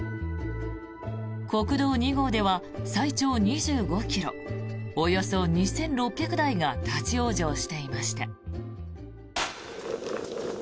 国道２号では最長２５ｋｍおよそ２６００台が立ち往生していました。